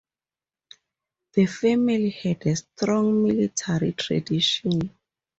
The family had a strong military tradition.